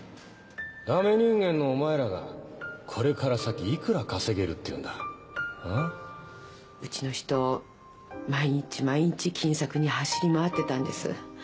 駄目人間のお前らがこれから先いくら稼げるっていうんだうちの人毎日毎日金策に走り回ってたんです。